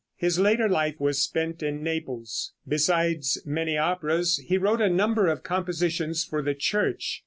His later life was spent in Naples. Besides many operas he wrote a number of compositions for the church.